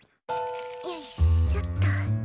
よいしょっと。